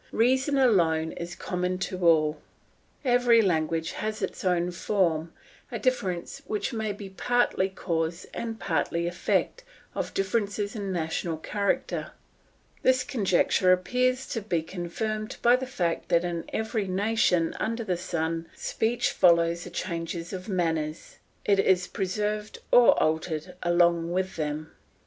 Reason alone is common to all. Every language has its own form, a difference which may be partly cause and partly effect of differences in national character; this conjecture appears to be confirmed by the fact that in every nation under the sun speech follows the changes of manners, and is preserved or altered along with them.